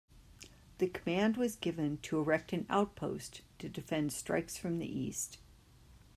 The command was given to erect an outpost to defend strikes from the east.